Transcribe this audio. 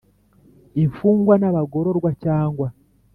Imfungwa n abagororwa cyangwa